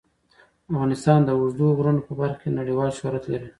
افغانستان د اوږدو غرونو په برخه کې نړیوال شهرت لري.